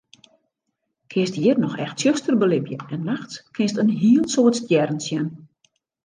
Kinst hjir noch echt tsjuster belibje en nachts kinst in hiel soad stjerren sjen.